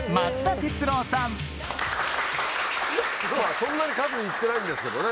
そんなに数行ってないんですけどね